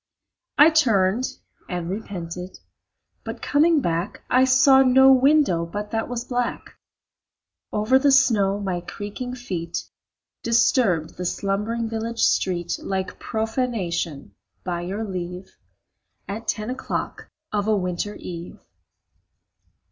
I turned and repented, but coming back I saw no window but that was black. Over the snow my creaking feet Disturbed the slumbering village street Like profanation, by your leave, At ten o'clock of a winter eve.